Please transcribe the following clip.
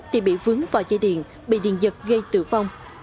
thì bị vướng vào dây điện bị điện giật gây tử vong